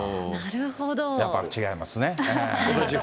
やっぱり違いますね。